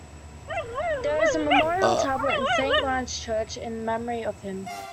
There is a memorial tablet in Saint Lawrence Church in memory of him.